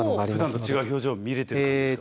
ふだんと違う表情見れてる感じですか？